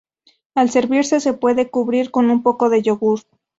Al servirse se puede cubrir con un poco de yogur.